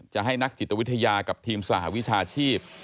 จะให้นักจิตวิทยากับทีมสหวิชาชีพ